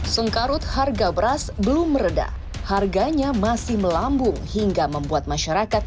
sengkarut harga beras belum meredah harganya masih melambung hingga membuat masyarakat